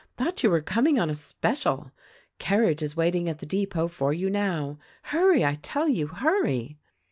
Thought you were coming on a special. Carriage is waiting at the depot for you now. Hurry, I tell you, hurry."